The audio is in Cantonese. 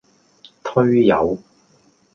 推友